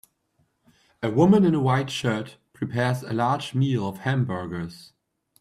A woman in a white shirt prepares a large meal of hamburgers.